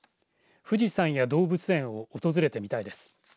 富士山や動物園を訪れてみたいです。